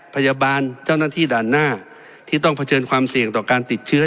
พยาบาลเจ้าหน้าที่ด่านหน้าที่ต้องเผชิญความเสี่ยงต่อการติดเชื้อ